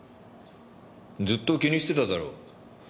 ずっと気にしてただろ。